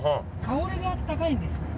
香りが高いんです。